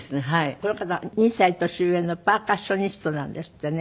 この方２歳年上のパーカッショニストなんですってね。